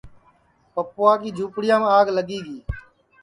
پپوا کی جُھوپڑیام آگ لگی گی